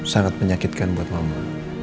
sangat menyakitkan buat mama